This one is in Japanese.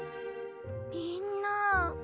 みんな。